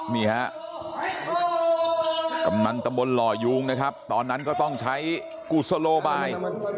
นี่ฮะกำนันตำบลหล่อยูงนะครับตอนนั้นก็ต้องใช้กุศโลบาย